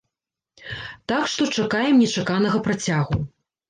Так што, чакаем нечаканага працягу.